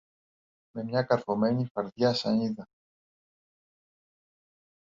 με μια καρφωμένη φαρδιά σανίδα.